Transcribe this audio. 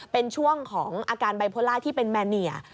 เป็นช่วงของอาการไบโพล่าที่เป็นแมเนีย